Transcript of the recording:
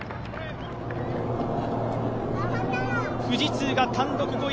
富士通が単独５位。